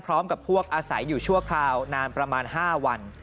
พร้อมกับพวกอาศัยอยู่ชั่วคราวนานประมาณ๕วัน